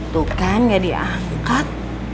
tuh kan gak diangkat